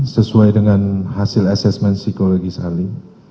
sesuai dengan hasil assessment psikologi sehari